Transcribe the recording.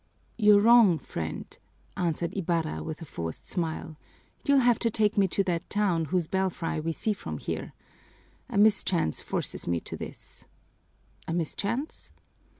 "You're wrong, friend," answered Ibarra with a forced smile. "You'll have to take me to that town whose belfry we see from here. A mischance forces me to this." "A mischance?"